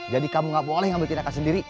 jadi kamu gak boleh ambil tindakan sendiri